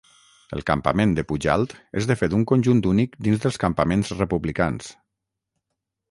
El campament de Pujalt és de fet un conjunt únic dins dels campaments republicans.